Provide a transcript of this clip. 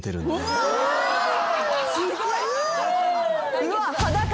すごい。